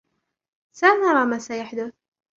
سنرى ما سيحدث.